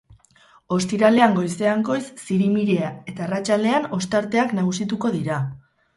Ostiralean goizean goiz zirimiria eta arratsaldean ostarteak nagusituko dira.